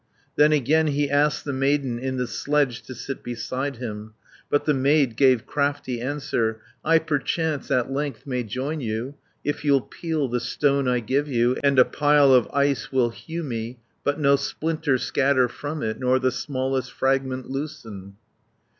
Then again he asked the maiden In the sledge to sit beside him. But the maid gave crafty answer, "I perchance at length may join you, If you'll peel the stone I give you, And a pile of ice will hew me, 110 But no splinter scatter from it, Nor the smallest fragment loosen."